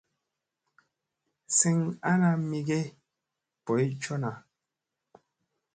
Seŋ ana mi ge boy coo na.